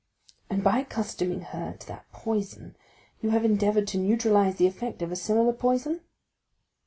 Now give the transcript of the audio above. "And by accustoming her to that poison, you have endeavored to neutralize the effect of a similar poison?"